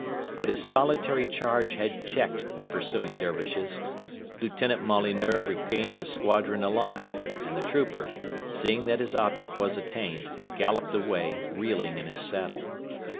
But his solitary charge had checked the pursuing Dervishes. Lieutenant Molyneux regained his squadron alive, and the trooper, seeing that his object was attained, galloped away, reeling in his saddle.